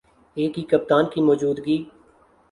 ایک ہی کپتان کی موجودگی